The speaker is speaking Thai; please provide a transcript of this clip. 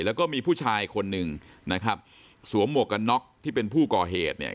แล้วก็มีผู้ชายคนหนึ่งนะครับสวมหมวกกันน็อกที่เป็นผู้ก่อเหตุเนี่ย